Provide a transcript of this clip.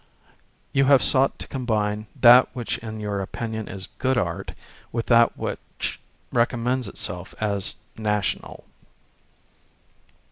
You have sought to combine that which in your opinion is good art with that which recommends itself as national.